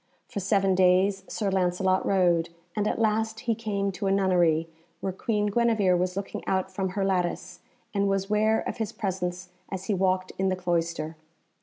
For seven days Sir Lancelot rode, and at last he came to a nunnery, where Queen Guenevere was looking out from her lattice, and was ware of his presence as he walked in the cloister.